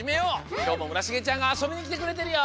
きょうも村重ちゃんがあそびにきてくれてるよ！